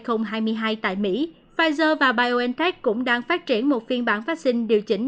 trước khi xuất hiện biến thể omicron pfizer và biontech cũng đang phát triển một phiên bản vaccine điều chỉnh